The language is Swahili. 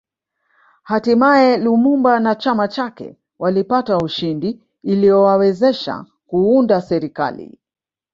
Hatimae Lumumba na chama chake walipata ushindi uliowawezesha Kuunda serikali